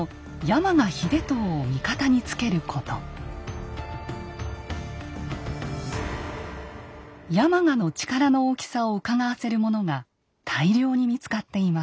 山鹿の力の大きさをうかがわせるものが大量に見つかっています。